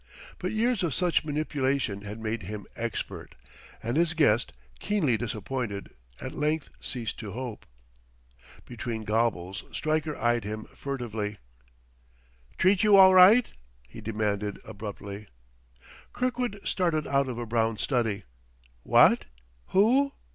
But years of such manipulation had made him expert, and his guest, keenly disappointed, at length ceased to hope. Between gobbles Stryker eyed him furtively. "'Treat you all right?" he demanded abruptly. Kirkwood started out of a brown study. "What? Who?